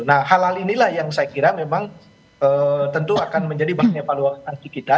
nah hal hal inilah yang saya kira memang tentu akan menjadi bahan evaluasi kita